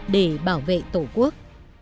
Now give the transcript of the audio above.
để bảo vệ tổ quốc